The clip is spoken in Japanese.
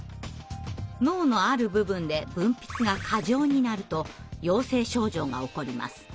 脳のある部分で分泌が過剰になると陽性症状が起こります。